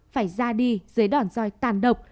phải ra đi dưới đòn roi tàn độc